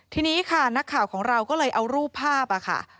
ทีนี้ค่ะนักข่าวของเราก็เลยเอารูปภาพค่ะ